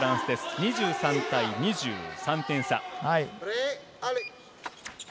２３対２０、３点差。